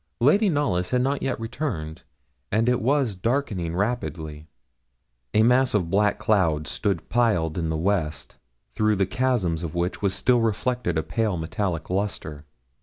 Lady Knollys had not yet returned, and it was darkening rapidly; a mass of black clouds stood piled in the west, through the chasms of which was still reflected a pale metallic lustre.